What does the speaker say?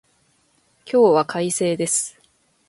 今日は快晴です。